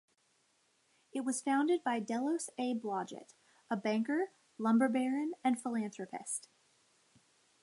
It was founded by Delos A. Blodgett, a banker, lumber baron, and philanthropist.